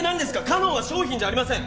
かのんは商品じゃありません。